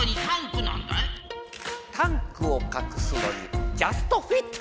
タンクをかくすのにジャストフィット！